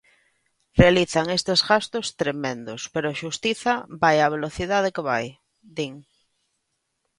Realizan estes gastos tremendos, pero a xustiza vai á velocidade que vai, din.